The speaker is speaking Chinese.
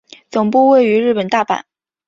总部位于日本大阪。